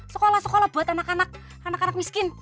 sekolah sekolah buat anak anak miskin